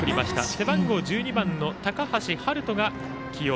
背番号１２番の高橋陽大が起用。